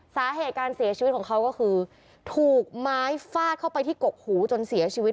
สาเหตุการเสียชีวิตของเขาก็คือถูกไม้ฟาดเข้าไปที่กกหูจนเสียชีวิต